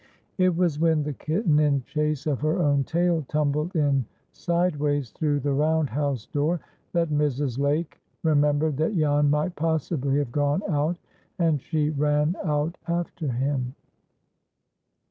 It was when the kitten, in chase of her own tail, tumbled in sideways through the round house door, that Mrs. Lake remembered that Jan might possibly have gone out, and she ran out after him.